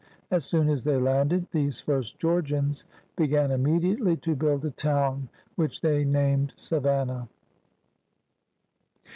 As soon as they landed, these first Georgians began immediately to build a town which they named Savannah.